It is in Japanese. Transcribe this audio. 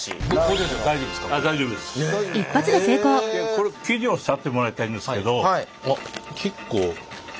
これ生地を触ってもらいたいんですけど。